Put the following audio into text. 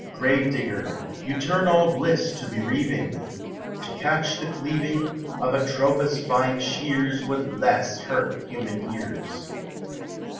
Grave digger, you turn all Bliss to bereaving ; To catch the cleaving Of Atropa's fine shears Would less hurt human ears.